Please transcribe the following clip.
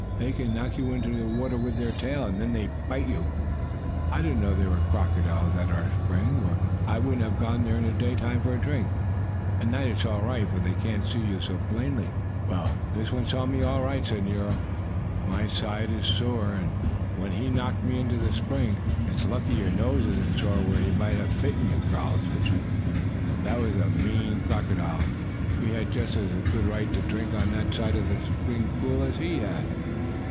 They can knock you into the water with their tail, and then they bite you. I didn't know there were crocodiles at our spring, or I wouldn't have gone there in the daytime for a drink. At night it's all right, for then they can't see you so plainly." [Illustration: Nero saw what he had thought was a log of wood open a big mouth. Page 18] "Well, this one saw me all right," said Nero. "My side is sore where he knocked me into the spring." "It's lucky your nose isn't sore where he might have bitten you," growled Switchie. "That was a mean crocodile! We had just as good right to drink on that side of the spring pool as he had!"